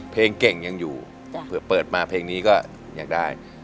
เพลงเก่งยังอยู่เผื่อเปิดมาเพลงนี้ก็อยากได้